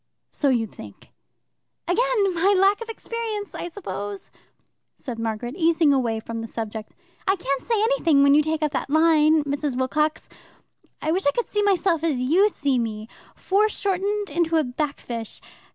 "So you think." "Again my lack of experience, I suppose!" said Margaret, easing away from the subject. "I can't say anything when you take up that line, Mrs. Wilcox. I wish I could see myself as you see me foreshortened into a backfisch.